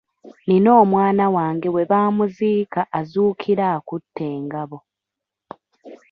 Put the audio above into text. Nina omwana wange bwe bamuziika azuukira akutte engabo.